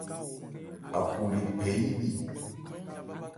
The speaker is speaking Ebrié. Apo le phɛ yí li.